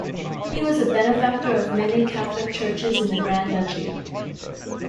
He was a benefactor of many catholic churches in the Grand Duchy.